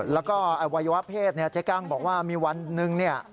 แล้วก็อวัยวะเพศเจ๊กั้งบอกว่ามีวันหนึ่งเนี่ย